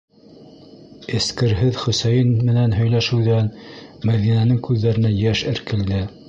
- Эскерһеҙ Хөсәйен менән һөйләшеүҙән Мәҙинәнең күҙҙәренә йәш эркелде.